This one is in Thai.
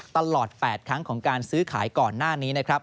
ตลอด๘ครั้งของการซื้อขายก่อนหน้านี้นะครับ